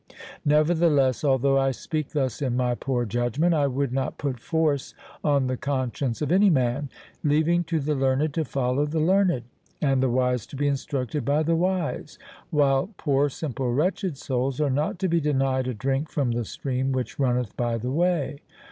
Nevertheless, although I speak thus in my poor judgment, I would not put force on the conscience of any man, leaving to the learned to follow the learned, and the wise to be instructed by the wise, while poor simple wretched souls are not to be denied a drink from the stream which runneth by the way.